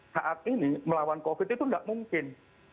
saat ini melawan covid itu tidak mungkin